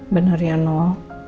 bener ya noh